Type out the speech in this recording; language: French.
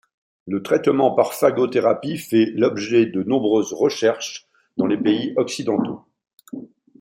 Le traitement par phagothérapie fait l'objet de nombreuses recherches dans les pays occidentaux.